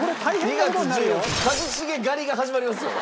２月１４日一茂狩りが始まりますよ。